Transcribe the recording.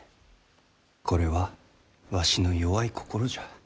これはわしの弱い心じゃ。